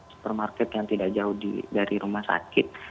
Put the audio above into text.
supermarket yang tidak jauh dari rumah sakit